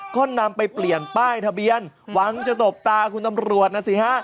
ก็นำไปเปลี่ยนป้ายทะเบียนหวังจะตบตาคุณตำรวจนะสิฮะ